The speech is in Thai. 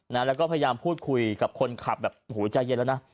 แล้วก็พยายามพูดคุยกับคนขับแบบโอ้โหใจเย็นแล้วนะ